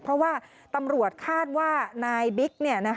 เพราะว่าตำรวจคาดว่านายบิ๊ก